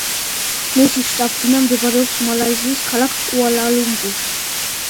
მისი შტაბ-ბინა მდებარეობს მალაიზიის ქალაქ კუალა-ლუმპურში.